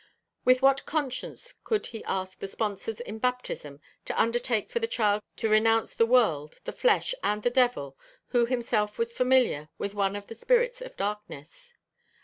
With what conscience could he ask the sponsors in baptism to undertake for the child to renounce the world, the flesh and the devil, who himself was familiar with one of the spirits of darkness?...